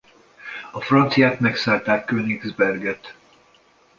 A franciák megszállták Königsberget.